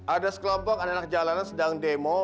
ada sekelompok anak anak jalanan sedang demo